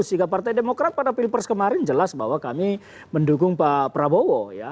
sikap partai demokrat pada pilpres kemarin jelas bahwa kami mendukung pak prabowo ya